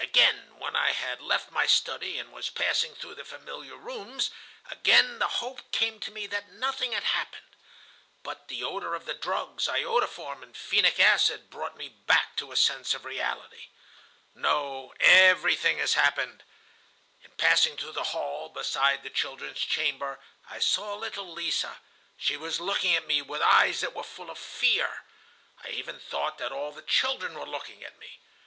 Again, when I had left my study, and was passing through the familiar rooms, again the hope came to me that nothing had happened. But the odor of the drugs, iodoform and phenic acid, brought me back to a sense of reality. "'No, everything has happened.' "In passing through the hall, beside the children's chamber, I saw little Lise. She was looking at me, with eyes that were full of fear. I even thought that all the children were looking at me.